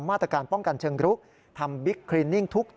มาตรการป้องกันเชิงรุก